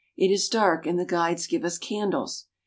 It is dark and the guides give us candles.